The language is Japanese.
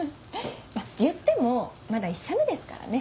いってもまだ１社目ですからね。